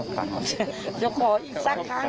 ว่ายังไงบ้างขอโอกาสอีกสักครั้งหนึ่ง